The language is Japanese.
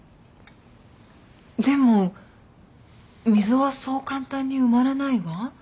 でも溝はそう簡単に埋まらないわ。